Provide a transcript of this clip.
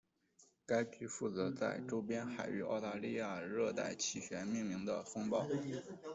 该局负责在周边海域澳大利亚热带气旋命名的风暴。